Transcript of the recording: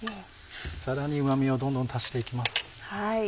さらにうま味をどんどん足していきます。